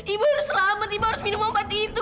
ibu harus selamat ibu harus minum obat itu